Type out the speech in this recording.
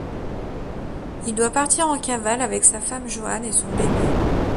Il doit partir en cavale avec sa femme Joan et son bébé.